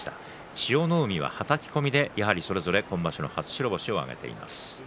千代の海は、はたき込みでやはりそれぞれ今場所の初白星を挙げています。